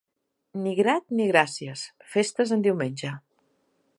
Ni grat ni gràcies, festes en diumenge.